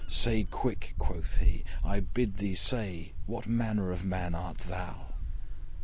'Say quick,' quoth he, 'I bid thee say What manner of man art thou?'